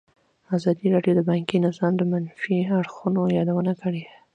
ازادي راډیو د بانکي نظام د منفي اړخونو یادونه کړې.